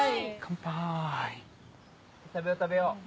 食べよう食べよう。